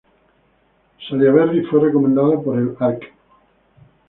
Sallaberry fue recomendado por el Arq.